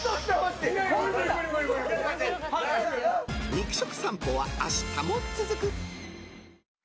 肉食さんぽは明日も続く。